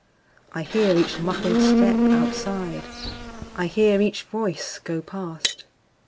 I hear each muffled step outside,I hear each voice go past.